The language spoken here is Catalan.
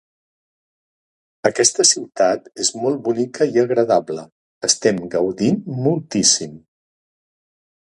Aquesta ciutat és molt bonica i agradable, estem gaudint moltíssim!